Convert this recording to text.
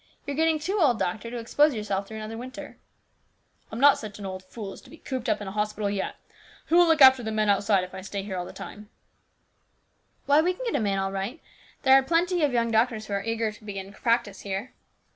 You're getting too old, doctor, to expose yourself through another winter." " I'm not such an old fool as to be cooped up in a hospital yet. Who will look after the men outside if I stay here all the time?" the doctor asked stubbornly. " Why, we can get a man all right. There are plenty of young doctors who are eager to begin practice here."